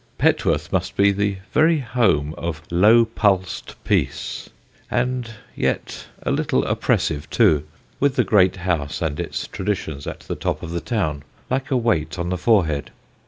Petworth must be the very home of low pulsed peace; and yet a little oppressive too, with the great house and its traditions at the top of the town like a weight on the forehead.